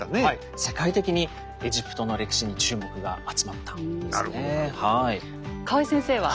世界的にエジプトの歴史に注目が集まったんですねえはい。